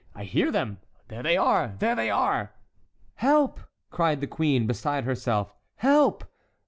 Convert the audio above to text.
I hear them—there they are! there they are!" "Help!" cried the queen, beside herself, "help!"